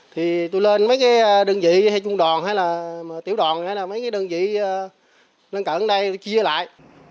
thì tui lên mấy cái đơn vị hay trung đoàn hay là tiểu đoàn hay là mấy cái đơn vị lên cận đây tui chia lại